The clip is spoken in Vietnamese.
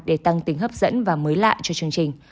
để tăng tính hấp dẫn và mới lạ cho chương trình